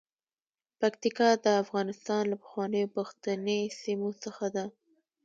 پکتیکا د افغانستان له پخوانیو پښتني سیمو څخه ده.